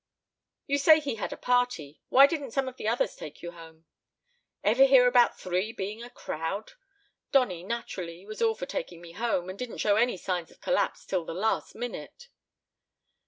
"You say he had a party. Why didn't some of the others take you home?" "Ever hear about three being a crowd? Donny, naturally, was all for taking me home, and didn't show any signs of collapse till the last minute."